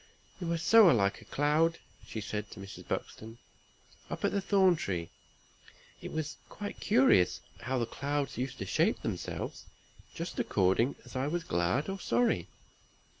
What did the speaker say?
"You are so like a cloud," said she to Mrs. Buxton. "Up at the Thorn tree, it was quite curious how the clouds used to shape themselves, just according as I was glad or sorry.